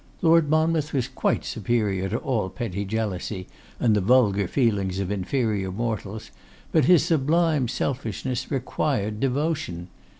Lord Monmouth was quite superior to all petty jealousy and the vulgar feelings of inferior mortals, but his sublime selfishness required devotion.